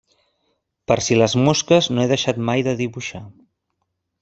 Per si les mosques no he deixat mai de dibuixar.